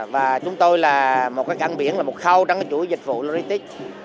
và chúng tôi là một cái cảng biển là một khâu trong cái chuỗi dịch vụ logistics